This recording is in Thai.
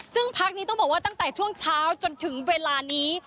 ซึ่งพักนี้ต้องบอกว่าตั้งแต่ช่วงเช้าจนถึงเวลานี้